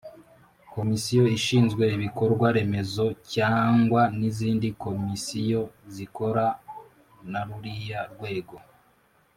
Komisiyo ishinzwe Ibikorwa Remezo cyazngwa nizindi komisiyo zikora naruriya rwego.